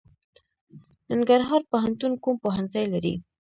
ننګرهار پوهنتون کوم پوهنځي لري؟